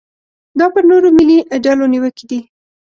دا پر نورو ملي ډلو نیوکې دي.